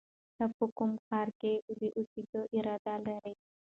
ته په کوم ښار کې د اوسېدو اراده لرې؟